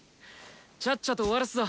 ちゃっちゃと終わらすぞ！